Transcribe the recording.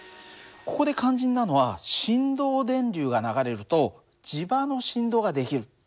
ここで肝心なのは振動電流が流れると磁場の振動が出来る。